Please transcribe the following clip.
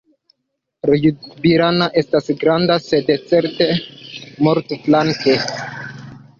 Ljubljana ne estas granda, sed certe multflanka.